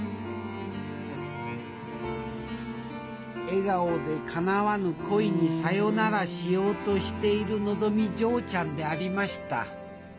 笑顔でかなわぬ恋にさよならしようとしているのぞみ嬢ちゃんでありました。